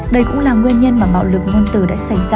đây cũng là nguyên nhân mà bạo lực ngôn từ đã xảy ra